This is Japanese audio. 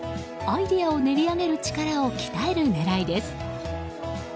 アイデアを練り上げる力を鍛える狙いです。